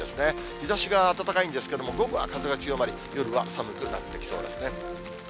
日ざしが暖かいんですけれども、午後は風が強まり、夜は寒くなってきそうですね。